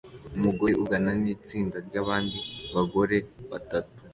Umugore uvugana nitsinda ryabandi bagore batatu